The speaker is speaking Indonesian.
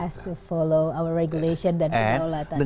has to follow our regulation dan kedaulatan kita